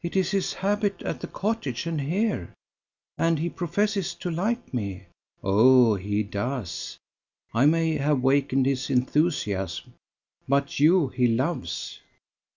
"It is his habit at the cottage and here; and he professes to like me." "Oh, he does. I may have wakened his enthusiasm, but you he loves."